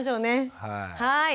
はい。